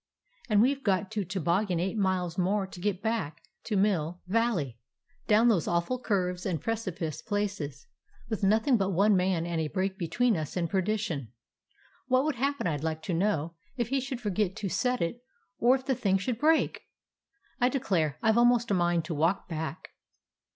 And we 've got to tobog gan eight miles more to get back to Mill Val 212 A CALIFORNIA SEA DOG ley, down those awful curves and precipice places, with nothing but one man and a brake between us and perdition*. What would hap pen, I 'd like to know, if he should forget to set it, or if the thing should break? I declare, I Ve almost a mind to walk back."